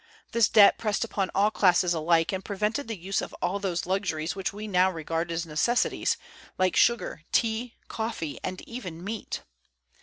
This debt pressed upon all classes alike, and prevented the use of all those luxuries which we now regard as necessities, like sugar, tea, coffee, and even meat.